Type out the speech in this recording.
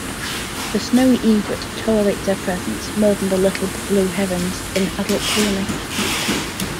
The snowy egret tolerates their presence more than little blue herons in adult plumage.